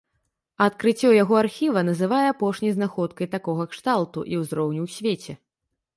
А адкрыццё яго архіва называе апошняй знаходкай такога кшталту і ўзроўню ў свеце.